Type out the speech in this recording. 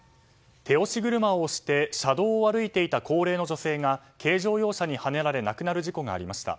手押し車を押して車道を歩いていた高齢の女性が軽自動車にはねられ亡くなる事故がありました。